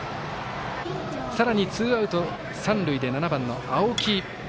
さらに、ツーアウト、三塁で７番の青木。